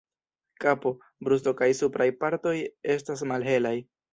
Kapo, brusto kaj supraj partoj estas malhelaj.